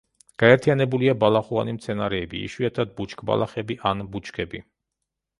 გაერთიანებულია ბალახოვანი მცენარეები, იშვიათად ბუჩქბალახები ან ბუჩქები.